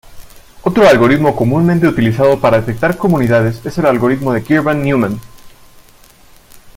Otro algoritmo comúnmente utilizado para detectar comunidades es el algoritmo Girvan–Newman.